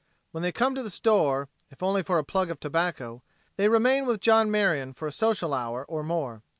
When they come to the store, if only for a plug of tobacco, they remain with John Marion for a social hour or more.